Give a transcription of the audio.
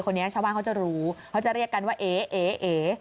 คนนี้ชาวบ้านเขาจะรู้เขาจะเรียกกันว่าเอ๋เอ